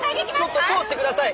ちょっと通してください。